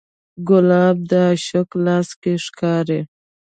ګلاب د عاشق لاس کې ښکاري.